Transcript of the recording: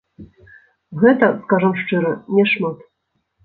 Гэта, скажам шчыра, няшмат.